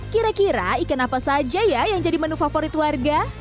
kira kira ikan apa saja ya yang jadi menu favorit warga